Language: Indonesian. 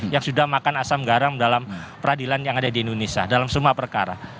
yang sudah makan asam garam dalam peradilan yang ada di indonesia dalam semua perkara